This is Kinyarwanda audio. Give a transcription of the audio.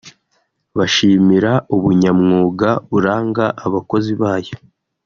bashimira ubunyamwuga buranga abakozi bayo